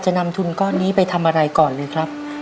นำทุนก้อนนี้ไปทำอะไรก่อนเลยครับ